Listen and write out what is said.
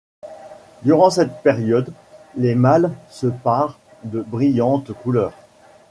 Durant cette période, les mâles se parent de brillantes couleurs.